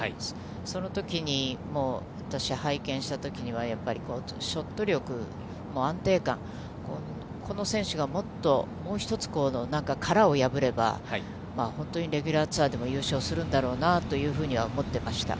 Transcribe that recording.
そのときにも私、拝見したときには、やっぱりショット力の安定感、この選手がもっと、もう一つ殻を破れば、本当にレギュラーツアーでも優勝するんだろうなというふうには思ってました。